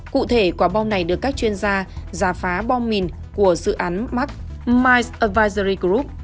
cụ thể quả bom này được các chuyên gia giả phá bom mìn của dự án mark mice avivery group